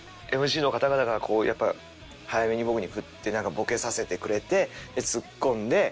ＭＣの方々がやっぱ早めに僕に振ってなんかボケさせてくれてツッコんで。